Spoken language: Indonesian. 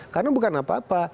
karena bukan apa apa